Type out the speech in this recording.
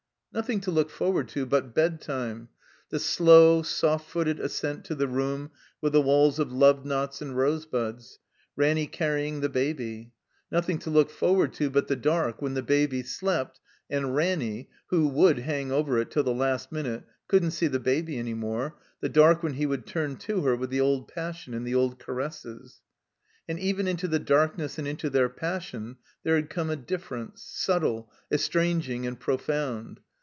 Nothing to look forward to but bedtime; the slow, soft footed ascent to the room with the walls of love knots and rosebuds, Ranny canying the Baby. Nothing to look forward to but the dark when the Baby slept and Ranny (who would hang over it till the last minute) couldn't see the Baby any more, the dark when he would ttim to her with the old passion and the old caresses. And even into the darkness and into their passion there had come a difference, subtle, estranging, and profound.